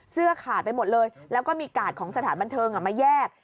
เสื้อขาดไปหมดเลยแล้วก็มีกาดของสถานบันเทิงมาแยก